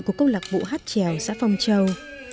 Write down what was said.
của công lạc bộ hát trèo xã phong châu